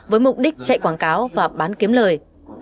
với mục đích chạy quảng cáo và bán kiếm lời